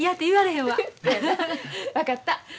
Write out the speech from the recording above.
分かった。